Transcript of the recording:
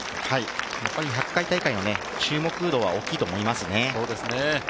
やっぱり、１００回大会の注目度は大きいと思いますね。